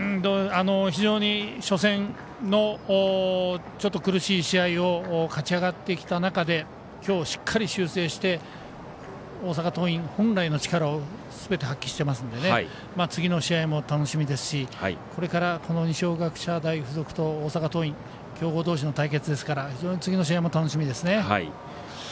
非常に初戦のちょっと苦しい試合を勝ち上がってきた中で今日しっかり修正して大阪桐蔭、本来の力をすべて発揮していますので次の試合も楽しみですしこれから、この二松学舎大付属と大阪桐蔭強豪同士の対決ですから非常に次の試合も楽しみですね。